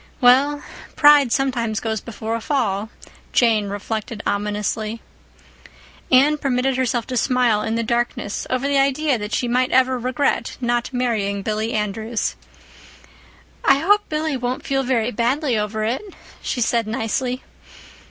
Well, pride sometimes goes before a fall, Jane reflected ominously. Anne permitted herself to smile in the darkness over the idea that she might ever regret not marrying Billy Andrews. "I hope Billy won't feel very badly over it," she said nicely.